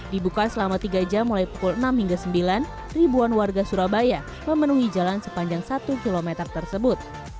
dibuka selama tiga jam mulai pukul enam hingga sembilan ribuan warga surabaya memenuhi jalan sepanjang satu km tersebut